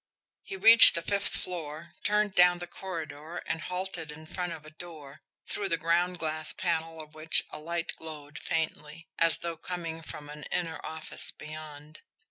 He reached the fifth floor, turned down the corridor, and halted in front of a door, through the ground glass panel of which a light glowed faintly as though coming from an inner office beyond.